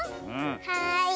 はい。